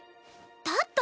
だったら。